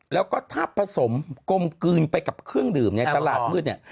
แล้วก็ถ้าผสมกลมกลืนไปกับเครื่องดื่มในตลาดมืดเนี่ย